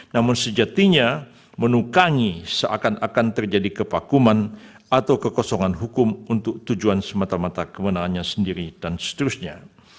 namun sejatinya menukangi seakan akan terjadi kepakuman atau kekosongan hukum untuk tujuan semata mata kemenangannya sendiri dan seterusnya